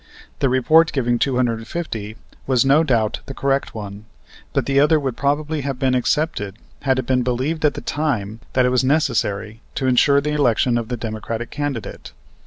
The report giving two hundred and fifty was, no doubt, the correct one, but the other would probably have been accepted had it been believed at the time that it was necessary to insure the election of the Democratic candidate.